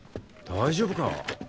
大丈夫か？